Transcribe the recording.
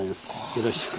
よろしく。